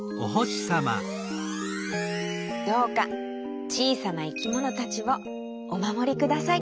どうかちいさないきものたちをおまもりください。